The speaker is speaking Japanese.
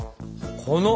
この。